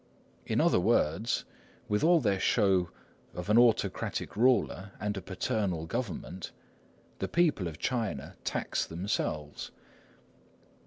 In other words, with all their show of an autocratic ruler and a paternal government, the people of China tax themselves.